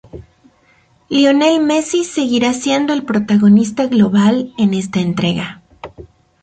Lionel Messi seguirá siendo el protagonista global en esta entrega.